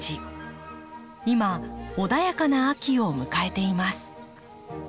今穏やかな秋を迎えています。